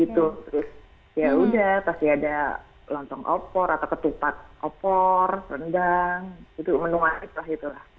terus ya udah pasti ada lontong opor atau ketupat opor rendang gitu menu arik lah itulah